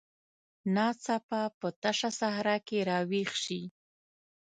ناڅاپه په تشه صحرا کې راویښ شي.